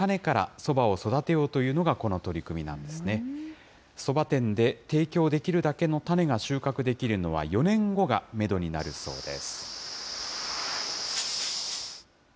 そば店で提供できるだけの種が収穫できるのは４年後がメドになるそうです。